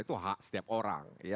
itu hak setiap orang